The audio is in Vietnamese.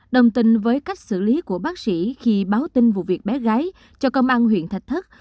đồng tình với cách xử lý của bác sĩ khi báo tin vụ việc bé gái cho công an huyện thạch thất